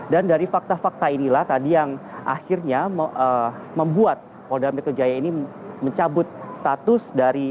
dan dari fakta fakta inilah tadi yang akhirnya membuat polda metro jaya ini mencabut status